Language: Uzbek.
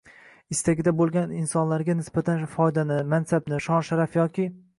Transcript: istagida bo‘lgan insonlarga nisbatan foydani, mansabni, shon-sharaf yoki